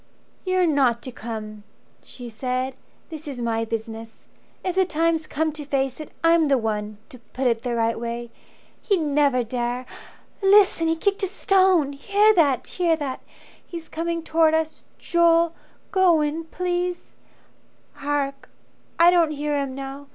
"You're not to come," she said. "This is my business. If the time's come to face it, I'm the one To put it the right way. He'd never dare Listen! He kicked a stone. Hear that, hear that! He's coming towards us. Joel, go in please. Hark! I don't hear him now.